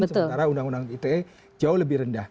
sementara undang undang ite jauh lebih rendah